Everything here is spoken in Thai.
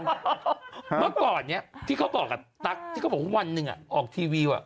เมื่อก่อนเนี่ยที่เขาบอกกับตั๊กที่เขาบอกว่าวันหนึ่งออกทีวี